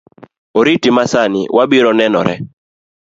Oriti masani, wabiro nenore